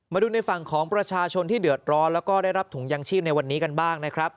มาดูในฝั่งของประชาชนที่เดือดร้อนแล้วก็ได้รับถุงยางชีพในวันนี้กันบ้างนะครับ